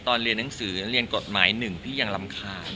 เรียนหนังสือเรียนกฎหมายหนึ่งพี่ยังรำคาญ